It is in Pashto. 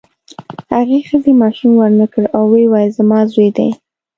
هغې ښځې ماشوم ورنکړ او ویې ویل زما زوی دی.